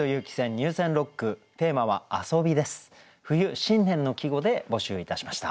冬新年の季語で募集いたしました。